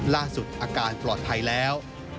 ล่าสุดอาการปลอดภัยแล้ว